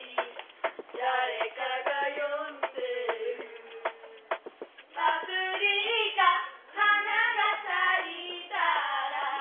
「誰かが呼んでいる」「パプリカ花が咲いたら」